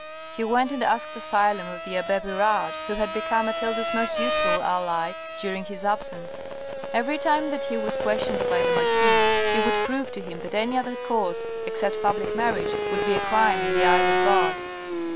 He went and asked asylum of the abbe Pirard, who had become Mathilde's most useful ally during his absence. Every time that he was questioned by the marquis, he would prove to him that any other course except public marriage would be a crime in the eyes of God.